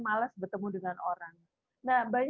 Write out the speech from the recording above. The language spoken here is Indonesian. males bertemu dengan orang nah bayi